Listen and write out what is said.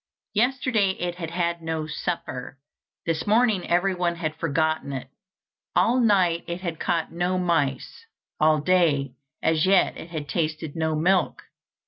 Yesterday it had had no supper; this morning everyone had forgotten it. All night it had caught no mice; all day as yet it had tasted no milk.